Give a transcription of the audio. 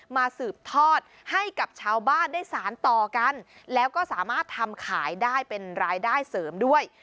สืบทอดให้กับชาวบ้านได้สารต่อกันแล้วก็สามารถทำขายได้เป็นรายได้เสริมด้วย